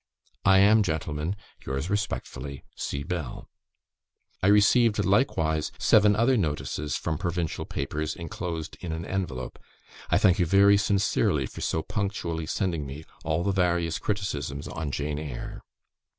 I am, Gentlemen, yours respectfully, C. BELL. "I received likewise seven other notices from provincial papers enclosed in an envelope. I thank you very sincerely for so punctually sending me all the various criticisms on "Jane Eyre"."